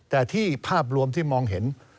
แต่ที่ภาพรวมที่มองเห็น